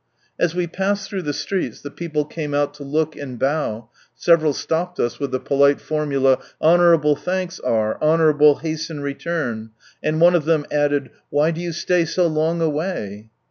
As we passed through the streets the people came out to look and bow, several stopped us with the polite formula, '' Honourable thanks are, honourably hasten return," and one of them added " Why do you stay so long away